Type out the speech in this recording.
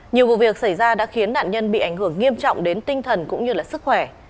nhiều vụ việc xảy ra đã khiến nạn nhân bị ảnh hưởng nghiêm trọng đến tinh thần cũng như là sức khỏe